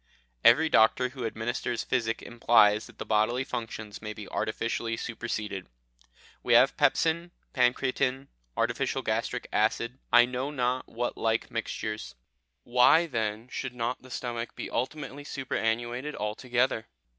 Every doctor who administers physic implies that the bodily functions may be artificially superseded. We have pepsine, pancreatine, artificial gastric acid I know not what like mixtures. Why, then, should not the stomach be ultimately superannuated altogether?